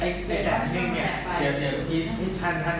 ห้าพันเอามาคืนก็ได้ไหมเจ็ดร้อยเอามาคืนก็ได้ไหม